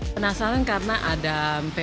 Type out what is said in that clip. penasaran karena ada pempek